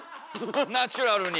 ナチュラルに。